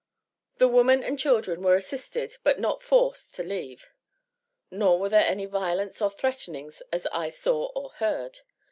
The woman and children were assisted, but not forced to leave. Nor were there any violence or threatenings as I saw or heard.